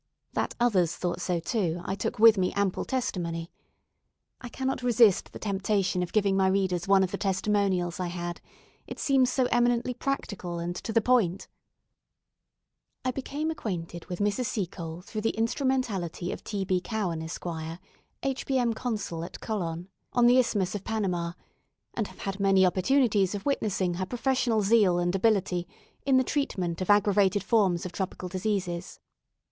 That others thought so too, I took with me ample testimony. I cannot resist the temptation of giving my readers one of the testimonials I had, it seems so eminently practical and to the point: "I became acquainted with Mrs. Seacole through the instrumentality of T. B. Cowan, Esq., H. B. M. Consul at Colon, on the Isthmus of Panama, and have had many opportunities of witnessing her professional zeal and ability in the treatment of aggravated forms of tropical diseases.